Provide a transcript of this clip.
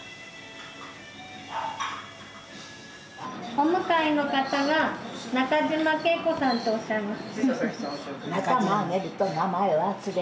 お向かいの方が中嶋圭子さんとおっしゃいます。